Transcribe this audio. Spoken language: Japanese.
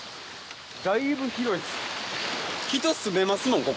だいぶ広いです。